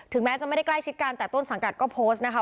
แม้จะไม่ได้ใกล้ชิดกันแต่ต้นสังกัดก็โพสต์นะคะ